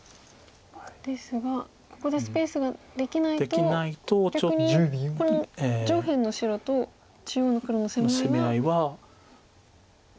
ですがここでスペースができないと逆にこの上辺の白と中央の黒の攻め合いは。